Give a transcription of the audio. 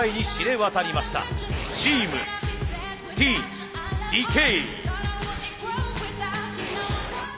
チームＴ・ＤＫ。